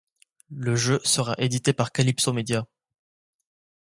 Le jeu sera édité par Kalypso Media.